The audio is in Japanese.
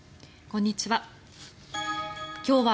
こんにちは。